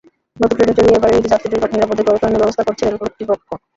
নতুন ট্রেনে চড়িয়ে এবারের ঈদে যাত্রীদের নিরাপদে ঘরে ফেরানোর ব্যবস্থা করছে রেল কর্তৃপক্ষ।